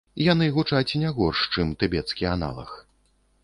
Яны гучаць не горш, чым тыбецкі аналаг.